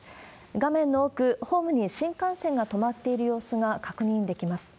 画面の奥、ホームに新幹線が止まっている様子が確認できます。